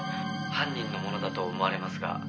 「犯人のものだと思われますが」